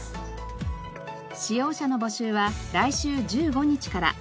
使用者の募集は来週１５日から。